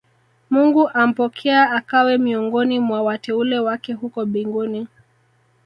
mungu ampokea akawe miongoni mwa wateule wake huko mbinguni